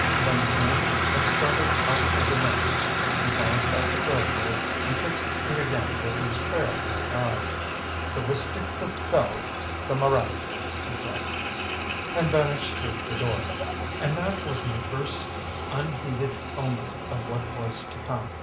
Then he turned and started out of the room. He paused at the threshold and fixed me again with his ferretlike eyes. "The Wistick dufels the Moraddy!" he said, and vanished through the door. And that was my first unheeded omen of what was to come.